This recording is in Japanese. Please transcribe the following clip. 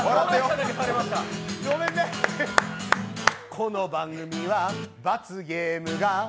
この番組は罰ゲームが